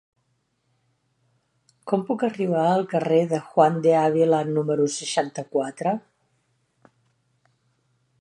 Com puc arribar al carrer de Juan de Ávila número seixanta-quatre?